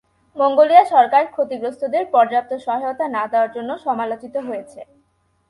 Mongolia সরকার ক্ষতিগ্রস্তদের পর্যাপ্ত সহায়তা না দেওয়ার জন্য সমালোচিত হয়েছে।